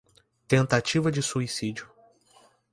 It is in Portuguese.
tentativa de suicídio